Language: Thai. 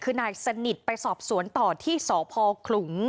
คือนายสนิทไปสอบสวนต่อที่สพขลุง